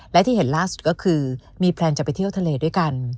และที่เห็นล่าสุดก็คือมีแพลนจะไปเที่ยวทะเลด้วยกัน